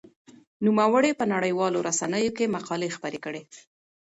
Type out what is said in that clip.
نوموړي په نړيوالو رسنيو کې مقالې خپرې کړې.